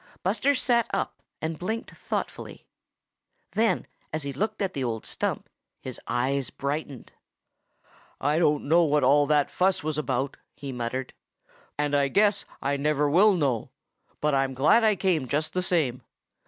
Buster sat up and blinked thoughtfully. Then as he looked at the old stump, his eyes brightened. "I don't know what all that fuss was about," he muttered, "and I guess I never will know, but I'm glad I came just the same.